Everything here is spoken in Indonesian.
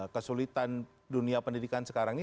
kesulitan dunia pendidikan sekarang ini